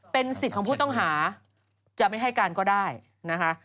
เป็นสิทธิ์ของผู้ต้องหาจะไม่ให้การก็ได้นะคะ